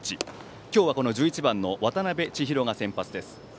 今日は１１番の渡辺千尋が先発です。